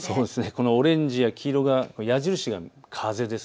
このオレンジや黄色、矢印が風です。